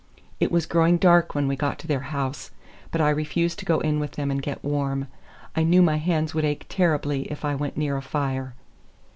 It was growing dark when we got to their house, but I refused to go in with them and get warm. I knew my hands would ache terribly if I went near a fire.